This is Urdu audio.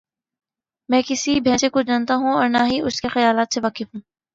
میں کسی بھینسے کو جانتا ہوں اور نہ ہی اس کے خیالات سے واقف ہوں۔